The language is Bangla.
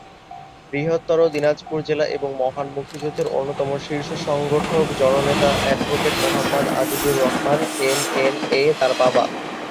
বৃহত্তর দিনাজপুর জেলা এবং মহান মুক্তিযুদ্ধের অন্যতম শীর্ষ সংগঠক জননেতা advocate Mohammad Azizur Rahman M, N, A তার বাবা।